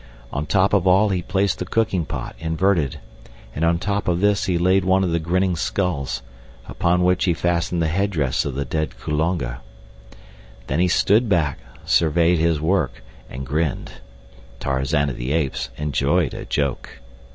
On top of all he placed the cooking pot, inverted, and on top of this he laid one of the grinning skulls, upon which he fastened the headdress of the dead Kulonga. Then he stood back, surveyed his work, and grinned. Tarzan of the Apes enjoyed a joke.